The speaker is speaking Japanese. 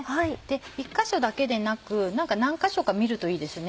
１か所だけでなく何か所か見るといいですね。